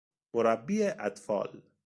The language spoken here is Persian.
مربی اطفال